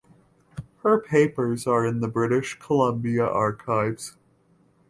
Her papers are in the British Columbia Archives.